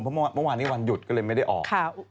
เพราะเมื่อวานนี้วันหยุดก็เลยไม่ได้ออก